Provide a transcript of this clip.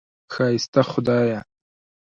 ښایسته خدایه!